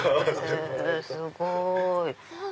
すごい！